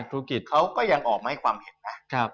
ใช่เขาก็ยังออกมาให้ความเห็นนะ